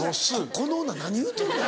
この女何言うとんねん？